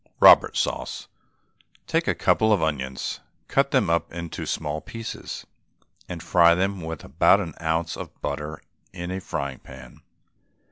ROBERT SAUCE. Take a couple of onions, cut them up into small pieces, and fry them with about an ounce of butter in a frying pan.